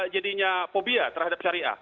jadinya fobia terhadap syariah